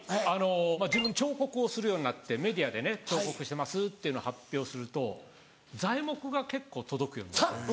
自分彫刻をするようになってメディアでね彫刻してますっていうの発表すると材木が結構届くようになって。